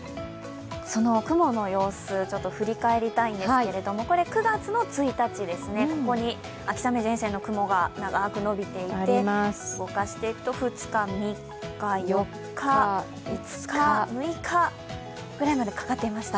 その雲の様子、振り返りたいんですが、９月１日ですね、ここに秋雨前線の雲が長く伸びていて動かしていくと、２日、３日、６日ぐらいまでかかってました。